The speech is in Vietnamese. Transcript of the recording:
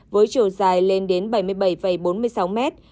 với chiều dài lên đến bảy mươi bảy bốn mươi sáu mét